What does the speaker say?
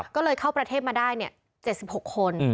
ก็เลยเข้าประเทศมาได้๗๖คน